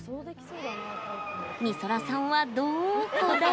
みそらさんは、どーこだ？